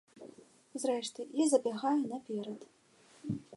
Зрэшты, я забягаю наперад.